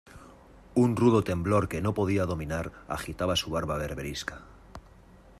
un rudo temblor que no podía dominar agitaba su barba berberisca.